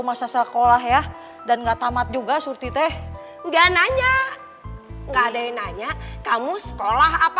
masa sekolah ya dan enggak tamat juga surti teh enggak nanya enggak ada yang nanya kamu sekolah apa